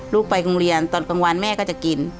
ไปโรงเรียนตอนกลางวันแม่ก็จะกิน